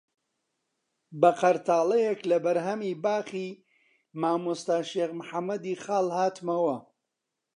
بە قەرتاڵەیەک لە بەرهەمی باخی مامۆستا شێخ محەممەدی خاڵ هاتمەوە